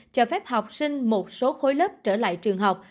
cho phép học sinh một số khối lớp trở lại trường học